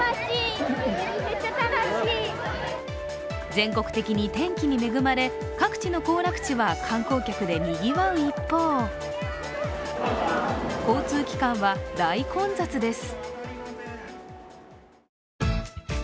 全国的に天気に恵まれ各地の行楽地は観光客でにぎわう一方交通機関は大混雑です。